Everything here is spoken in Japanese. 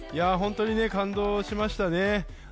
本当に感動しましたね。